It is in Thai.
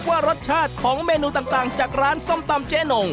ว่ารสชาติของเมนูต่างจากร้านส้มตำเจ๊นง